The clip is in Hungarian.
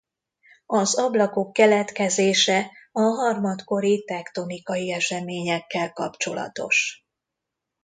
Az ablakok keletkezése a harmadkori tektonikai eseményekkel kapcsolatos.